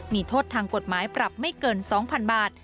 มีโทษทางกฎหมายปรับไม่เกิน๒๐๐๐บาท